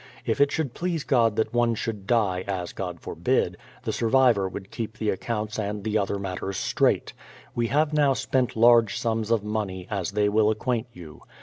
If it should please God that one should die,— as God forbid,— the survivor would keep the accounts and the other matters straight. We have now spent large sums of money, as they will acquaint you.